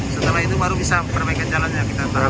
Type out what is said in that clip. setelah itu baru bisa perbaikan jalannya